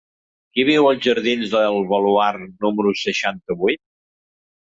Qui viu als jardins del Baluard número seixanta-vuit?